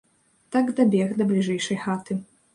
Так дабег да бліжэйшай хаты.